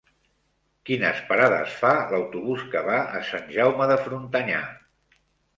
Quines parades fa l'autobús que va a Sant Jaume de Frontanyà?